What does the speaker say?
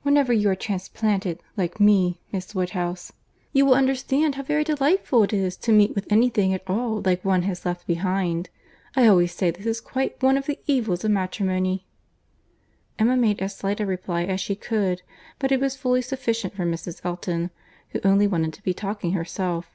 Whenever you are transplanted, like me, Miss Woodhouse, you will understand how very delightful it is to meet with any thing at all like what one has left behind. I always say this is quite one of the evils of matrimony." Emma made as slight a reply as she could; but it was fully sufficient for Mrs. Elton, who only wanted to be talking herself.